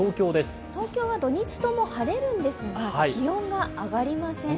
東京は土日とも晴れるんですが気温が上がりません。